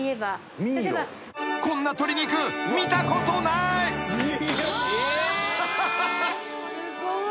［こんな鶏肉見たことない］わあ。